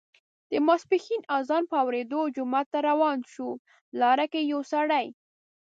د ماسپښین اذان په اوریدا جومات ته روان شو، لاره کې یې یو سړی